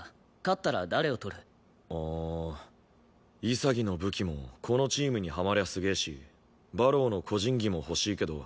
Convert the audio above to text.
潔の武器もこのチームにハマりゃすげえし馬狼の個人技も欲しいけど。